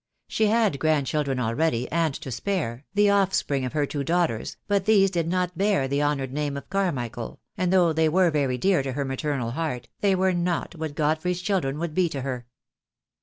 She had grandchildren already, and to spare, the offspring of her two daughters, but these did not bear the honoured name of Carmichael, and, though they were very dear to her maternal heart, they were not what God frey's children would be to her.